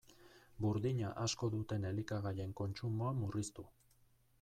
Burdina asko duten elikagaien kontsumoa murriztu.